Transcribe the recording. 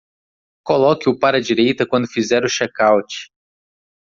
Coloque-o para a direita quando fizer o check out